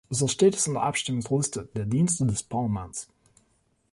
So steht es in der Abstimmungsliste der Dienste des Parlaments.